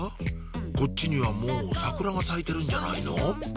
こっちにはもう桜が咲いてるんじゃないの？